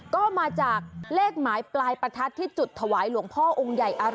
ก็มาจากเลขหมายปลายประทัดที่จุดถวายหลวงพ่อองค์ใหญ่อะไร